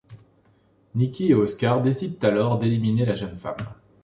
Nicky et Oscar décident alors d'éliminer la jeune femme.